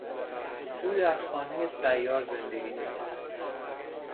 او در خانهی سیار زندگی میکند.